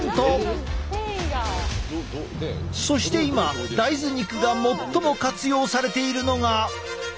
そして今大豆肉が最も活用されているのが。